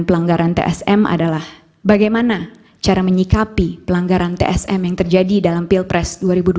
pelanggaran tsm adalah bagaimana cara menyikapi pelanggaran tsm yang terjadi dalam pilpres dua ribu dua puluh